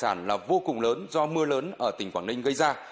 tình hình mưa lớn cực đoan là vô cùng lớn do mưa lớn ở tỉnh quảng ninh gây ra